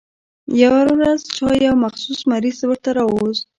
يوه ورځ چا يو مخصوص مریض ورته راوست.